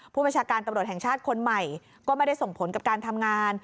ผู้บัญชาการตำรวจแห่งชาติคนใหม่ก็ไม่ได้ส่งผลกับการทำงาน